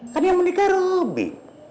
kan yang mau nikah robi